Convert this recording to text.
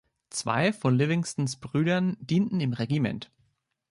Zwei von Livingstons Brüdern dienten im Regiment.